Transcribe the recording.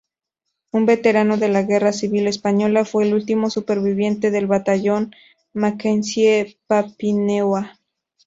Un veterano de la Guerra Civil Española, fue el último superviviente del Batallón Mackenzie-Papineau.